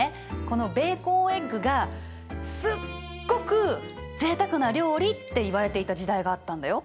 このベーコンエッグがすっごくぜいたくな料理っていわれていた時代があったんだよ。